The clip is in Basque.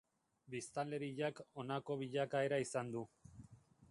Biztanleriak honako bilakaera izan du.